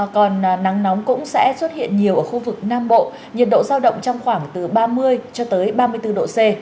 còn nắng nóng cũng sẽ xuất hiện nhiều ở khu vực nam bộ nhiệt độ giao động trong khoảng từ ba mươi cho tới ba mươi bốn độ c